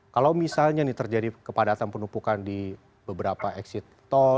kalau misalnya terjadi kepadatan penumpukan di beberapa exit tol